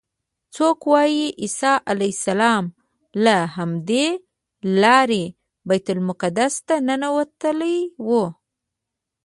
څوک وایي عیسی علیه السلام له همدې لارې بیت المقدس ته ننوتلی و.